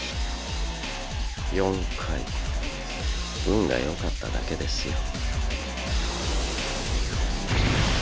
運がよかっただけですよ。